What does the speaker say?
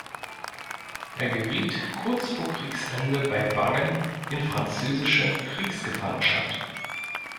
Er geriet kurz vor Kriegsende bei Wangen in französische Kriegsgefangenschaft.